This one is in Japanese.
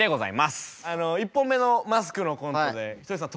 あの１本目の「マスク」のコントでひとりさん